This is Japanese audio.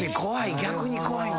逆に怖いな。